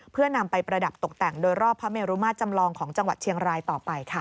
เพื่อนำไปประดับตกแต่งโดยรอบพระเมรุมาตรจำลองของจังหวัดเชียงรายต่อไปค่ะ